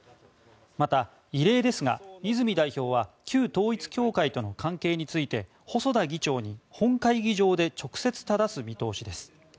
また、異例ですが、泉代表は旧統一教会との関係について細田議長に本会議場で直接ただす見通しです。